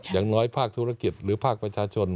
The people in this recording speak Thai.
อย่างน้อยภาคธุรกิจหรือภาคประชาชน